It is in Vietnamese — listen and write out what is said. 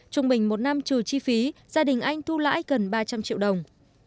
trung bình một năm trừ chi phí gia đình anh thu lãi gần ba trăm linh triệu đồng